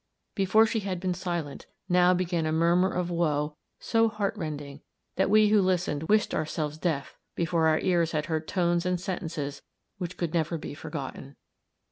Before, she had been silent; now began a murmur of woe so heart rending that we who listened wished ourselves deaf before our ears had heard tones and sentences which could never be forgotten.